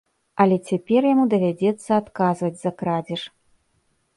Але цяпер яму давядзецца адказваць за крадзеж.